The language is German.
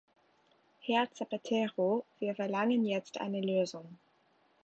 Herr Zapatero, wir verlangen jetzt eine Lösung.